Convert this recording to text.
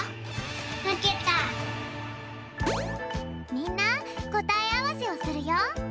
みんなこたえあわせをするよ。